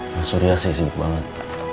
masud ya sih sibuk banget